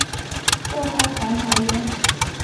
渥太华条约。